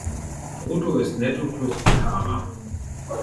Brutto ist Netto plus Tara.